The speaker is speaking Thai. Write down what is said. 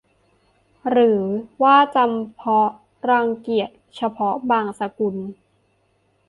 หรือว่าจำเพาะรังเกียจเฉพาะบางสกุล ?